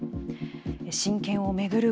親権を巡る